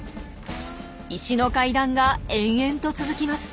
石の階段が延々と続きます。